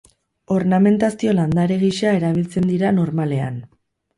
Ornamentazio landare gisa erabiltzen dira normalean.